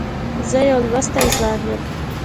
زه يو لوستی ځوان یم.